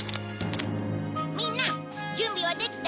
みんな準備はできた？